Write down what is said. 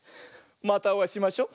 またおあいしましょ。